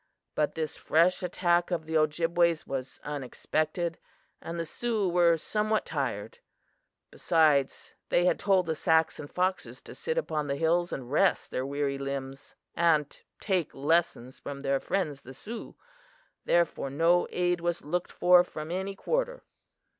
But this fresh attack of the Ojibways was unexpected, and the Sioux were somewhat tired. Besides, they had told the Sacs and Foxes to sit upon the hills and rest their weary limbs and take lessons from their friends the Sioux; therefore no aid was looked for from any quarter.